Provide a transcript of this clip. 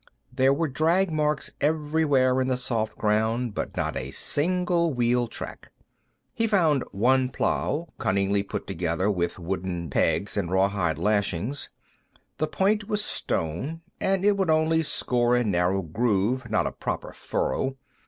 There were drag marks everywhere in the soft ground, but not a single wheel track. He found one plow, cunningly put together with wooden pegs and rawhide lashings; the point was stone, and it would only score a narrow groove, not a proper furrow.